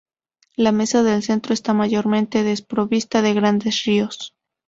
La Mesa del Centro está mayormente desprovista de grandes ríos.